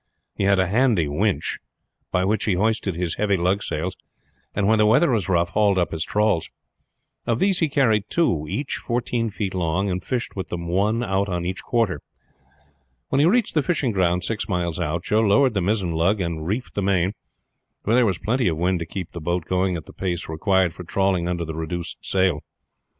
He had a handy winch, by which he hoisted his heavy lug sails, and when the weather was rough hauled up his trawls. Of these he carried two, each fourteen feet long, and fished with them one out on each quarter. When he reached the fishing ground six miles out, Joe lowered the mizzen lug and reefed the main, for there was plenty of wind to keep the boat going at the pace required for trawling under the reduced sail.